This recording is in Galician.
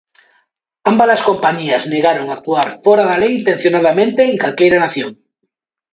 Ambas as compañías negaron actuar fóra da lei intencionadamente, en calquera nación.